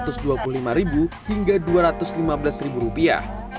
bagi anda pencinta kopi mungkin anda harus mencoba yang satu ini